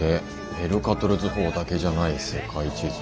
メルカトル図法だけじゃない世界地図」。